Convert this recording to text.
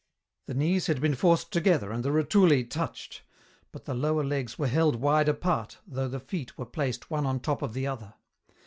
The knees had been forced together and the rotulæ touched, but the lower legs were held wide apart, though the feet were placed one on top of the other.